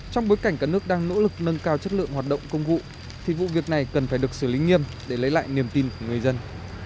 trong bối cảnh cả nước đang nỗ lực nâng cao chất lượng hoạt động công vụ thì vụ việc này cần phải được xử lý nghiêm để lấy lại niềm tin của người dân